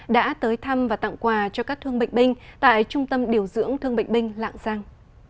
đã tới thăm và tặng quà cho các thương bệnh binh tại trung tâm điều dưỡng thương bệnh binh lạng giang